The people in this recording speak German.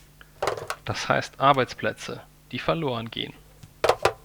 Das heißt Arbeitsplätze, die verlorengehen.